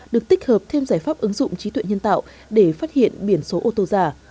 được tích hợp thêm giải pháp ứng dụng trí tuệ nhân tạo để phát hiện biển số ô tô giả